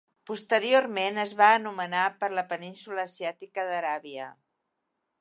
Posteriorment es va anomenar per la península asiàtica d'Aràbia.